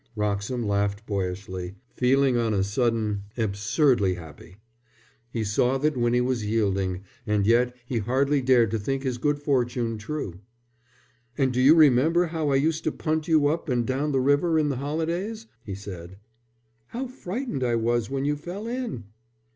Wroxham laughed boyishly, feeling on a sudden absurdly happy. He saw that Winnie was yielding, and yet he hardly dared to think his good fortune true. "And do you remember how I used to punt you up and down the river in the holidays?" he said. "How frightened I was when you fell in!"